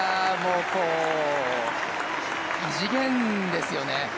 異次元ですよね。